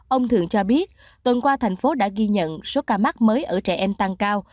ông thường cho biết tuần qua thành phố đã ghi nhận số ca mắc mới ở trẻ em tăng cao